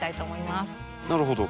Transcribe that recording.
なるほど。